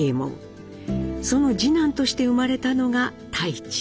その次男として生まれたのが太市。